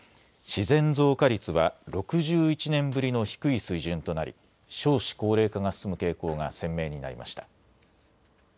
自然増加率は、６１年ぶりの低い水準となり、少子高齢化が進む傾向が鮮明になりました。